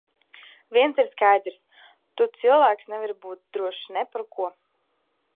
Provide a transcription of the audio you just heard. Viens ir skaidrs – tu cilvēks nevari būt drošs ne par ko.